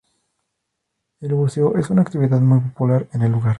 El buceo es una actividad muy popular en el lugar.